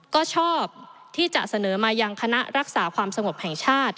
ก็ชอบที่จะเสนอมายังคณะรักษาความสงบแห่งชาติ